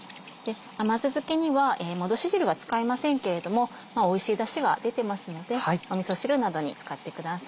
甘酢漬けにはもどし汁は使いませんけれどもおいしいだしが出てますのでみそ汁などに使ってください。